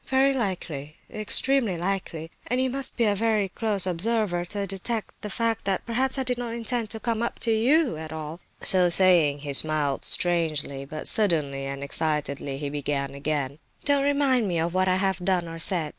"Very likely, extremely likely, and you must be a very close observer to detect the fact that perhaps I did not intend to come up to you at all." So saying he smiled strangely; but suddenly and excitedly he began again: "Don't remind me of what I have done or said.